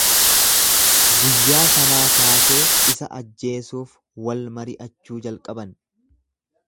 Guyyaa sanaa kaasee isa ajjeesuuf wal mari'achuu jalqaban.